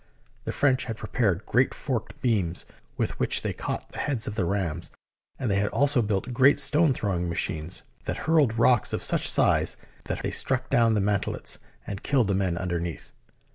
The French had prepared great forked beams with which they caught the heads of the rams, and they had also built great stone throwing machines that hurled rocks of such size that they struck down the mantelets and killed the men underneath.